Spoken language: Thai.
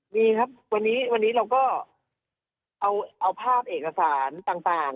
มีครับวันนี้วันนี้เราก็เอาภาพเอกสารต่าง